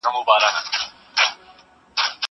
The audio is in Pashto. که وخت وي، سیر کوم!